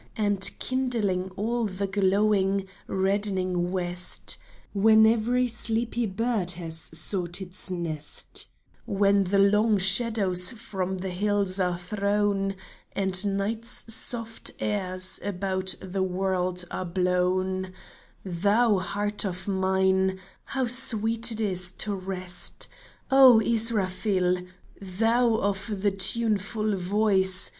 And kindling all the glowing, reddening west ; When every sleepy bird has sought its nest ; When the long shadows from the hills are thrown, And Night's soft airs about the world are blown, Thou heart of mine, how sweet it is to rest ! O, Israfil ! Thou of the tuneful voice